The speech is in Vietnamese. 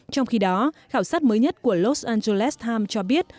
trong khi đó khảo sát mới nhất của los angeles times cho biết